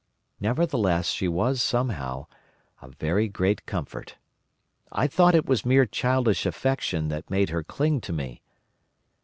Nevertheless she was, somehow, a very great comfort. I thought it was mere childish affection that made her cling to me.